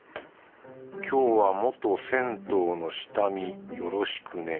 「今日は元銭湯の下見よろしくね。